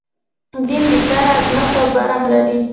دین بې ساری عظمت او برم لري.